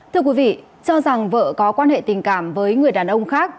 thưa quý vị cho rằng vợ có quan hệ tình cảm với người đàn ông khác